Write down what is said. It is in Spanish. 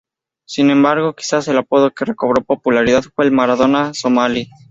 Sin embargo, quizás el apodo que recobró popularidad fue el ""Maradona somalí"".